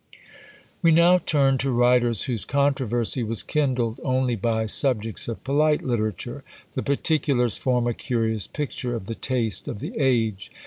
We now turn to writers whose controversy was kindled only by subjects of polite literature. The particulars form a curious picture of the taste of the age.